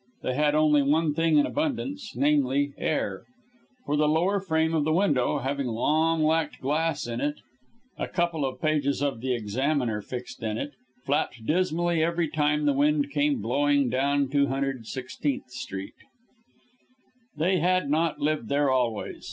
They had only one thing in abundance namely, air; for the lower frame of the window having long lacked glass in it, a couple of pages of the Examiner, fixed in it, flapped dismally every time the wind came blowing down 216th Street. They had not lived there always.